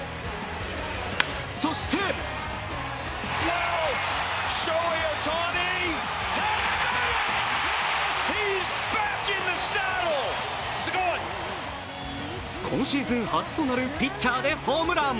そして今シーズン初となるピッチャーでホームラン。